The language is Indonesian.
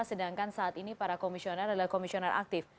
sedangkan saat ini para komisioner adalah komisioner aktif